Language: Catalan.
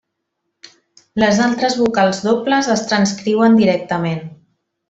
Les altres vocals dobles es transcriuen directament.